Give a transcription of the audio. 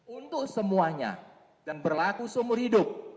untuk semuanya dan berlaku seumur hidup